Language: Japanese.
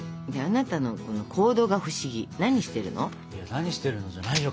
何してるのじゃないよ